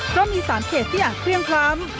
ก็มี๓เขตที่อาจเคลียมคล้ำ